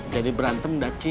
jadi berantem dah ci